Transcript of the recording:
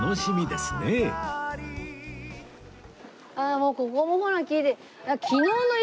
もうここもほらきれい。